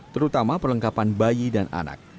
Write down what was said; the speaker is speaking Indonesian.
terutama perlengkapan bayi dan anak